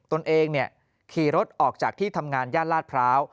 ตนเองขี่รถออกจากที่ทำงานย่านลาดพร้าว